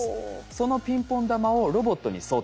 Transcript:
そのピンポン玉をロボットに装填。